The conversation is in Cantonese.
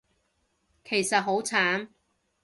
其實好慘